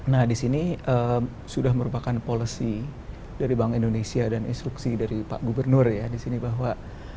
nah di sini sudah merupakan policy dari bank indonesia dan instruksi dari pak gubernur ya di sini bahwa